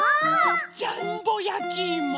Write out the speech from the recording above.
ジャンボやきいも。